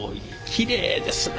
きれいですね